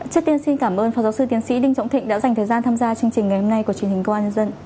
trước tiên xin cảm ơn phó giáo sư tiến sĩ đinh trọng thị đã dành thời gian tham gia chương trình ngày hôm nay của truyền hình cod